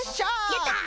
やった！